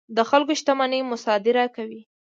د خلکو شتمنۍ مصادره کوي.